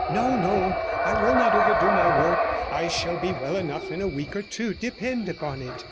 No, no; I will not overdo my work; I shall be well enough in a week or two, depend upon it.'